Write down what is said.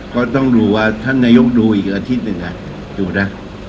ก็ต้องดูว่าท่านนายกดูอีกอาทิตย์หนึ่งดูนะ